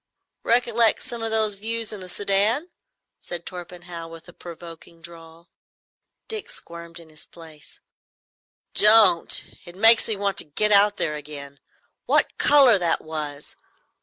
"Recollect some of those views in the Soudan?" said Torpenhow, with a provoking drawl. Dick squirmed in his place. "Don't! It makes me want to get out there again. What colour that was!